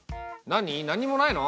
何もないの？